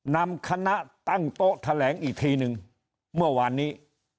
นำคณะตั้งโต๊ะแถลงอีกทีหนึ่งเมื่อวานนี้